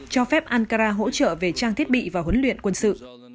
cho phép ankara hỗ trợ về trang thiết bị và huấn luyện quân sự